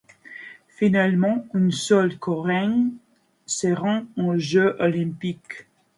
Finalement, un seul Coréen se rend aux Jeux olympiques.